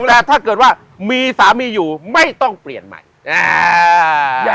แต่ถ้าเกิดว่ามีสามีอยู่ไม่ต้องเปลี่ยนใหม่